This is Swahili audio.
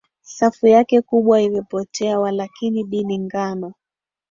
Safu yake kubwa imepotea Walakini dini ngano